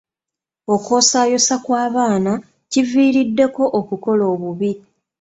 Okwosaayosa bw'abaana kiviiriddeko okukola obubi.